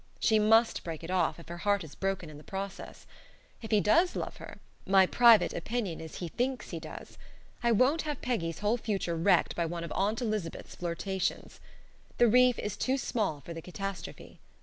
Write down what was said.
She must break it off, if her heart is broken in the process. If he does love her my private opinion is he thinks he does I won't have Peggy's whole future wrecked by one of Aunt Elizabeth's flirtations. The reef is too small for the catastrophe.